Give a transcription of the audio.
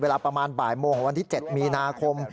เวลาประมาณบ่ายโมงของวันที่๗มีนาคม